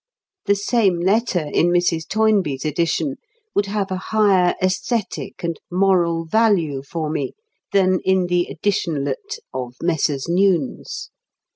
The same letter in Mrs. Toynbee's edition would have a higher æsthetic and moral value for me than in the "editionlet" of Messrs. Newnes.